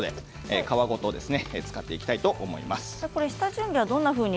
皮ごと使っていきたいと思います。